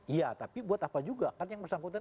iya tapi buat apa juga kan yang bersangkutan